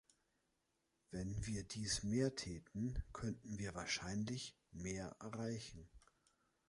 Wenn wir dies mehr täten, könnten wir wahrscheinlich mehr erreichen.